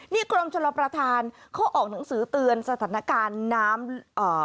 นี่กรมชลประธานเขาออกหนังสือเตือนสถานการณ์น้ำอ่า